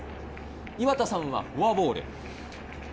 井端さんはフォアボール。